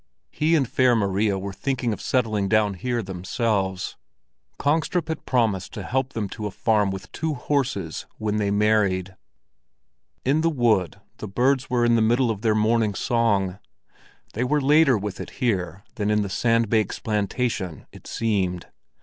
He and Fair Maria were thinking of settling down here themselves. Kongstrup had promised to help them to a farm with two horses when they married. In the wood the birds were in the middle of their morning song; they were later with it here than in the sandbanks plantation, it seemed.